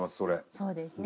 そうですね。